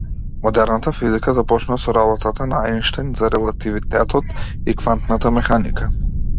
Модерната физика започнува со работата на Ајнштајн за релативитетот и квантната механика.